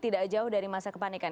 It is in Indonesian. tidak jauh dari masa kepanikan